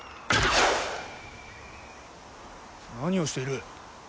何をしている。